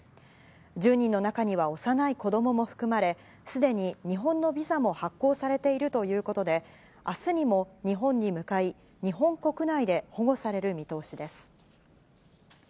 １０人の中には幼い子どもも含まれ、すでに日本のビザも発行されているということで、あすにも日本に向かい、日本国内で保護される見通しです。